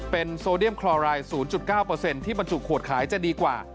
เป็นโซเดียมคลอราย๐๙ที่บรรจุขวดขายจะดีกว่า